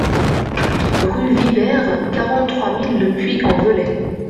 Rue Vibert, quarante-trois mille Le Puy-en-Velay